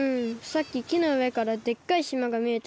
さっききのうえからでっかいしまがみえてさ。